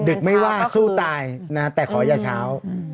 ึกไม่ว่าสู้ตายนะแต่ขออย่าเช้า